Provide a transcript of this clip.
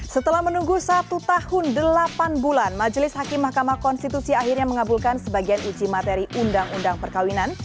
setelah menunggu satu tahun delapan bulan majelis hakim mahkamah konstitusi akhirnya mengabulkan sebagian uji materi undang undang perkawinan